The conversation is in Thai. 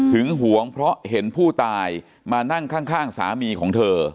หวงเพราะเห็นผู้ตายมานั่งข้างสามีของเธอ